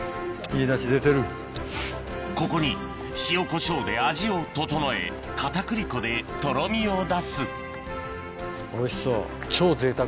ここに塩コショウで味を調え片栗粉でとろみを出すおいしそう。